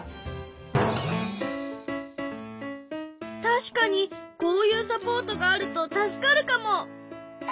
確かにこういうサポートがあると助かるかも。